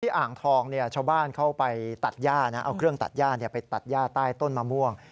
อ่างทองชาวบ้านเข้าไปตัดย่านะเอาเครื่องตัดย่าไปตัดย่าใต้ต้นมะม่วง